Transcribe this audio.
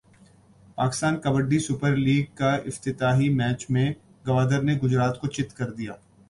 Pakistan kabaddi super لیگافتتاحی match میں گوادر نے گجرات کو چت کردیا